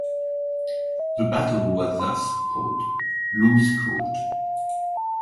The battle was thus called "Lose-coat".